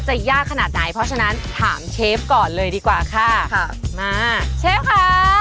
ยากขนาดไหนเพราะฉะนั้นถามเชฟก่อนเลยดีกว่าค่ะมาเชฟค่ะ